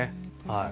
はい。